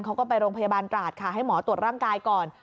เขาก็ไปโรงพยาบาลตราดค่ะให้หมอตรวจร่างกายก่อน